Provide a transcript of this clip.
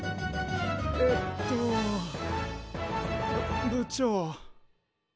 えっとぶ部長。